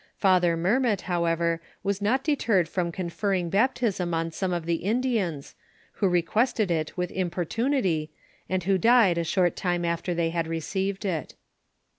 Father Mer met, however, waa not deterred fWim conferring baptism on some of the Indians^ who requested it witli importunity, and who died a ahort time after they had received it.